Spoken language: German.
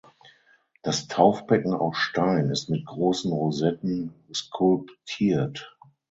Das Taufbecken aus Stein ist mit großen Rosetten skulptiert.